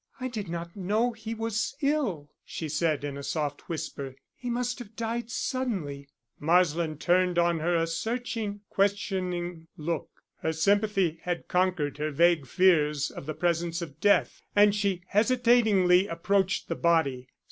"I did not know he was ill," she said, in a soft whisper. "He must have died suddenly." Marsland turned on her a searching questioning look. Her sympathy had conquered her vague fears of the presence of death, and she hesitatingly approached the body.